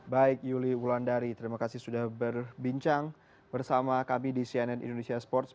baik yuli wulandari terima kasih sudah berbincang bersama kami di cnn indonesia sports